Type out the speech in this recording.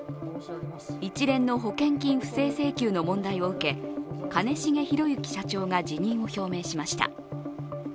一連の保険金不正請求の問題を受け兼重宏行社長が辞任を表明しました。